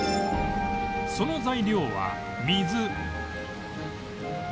その材料は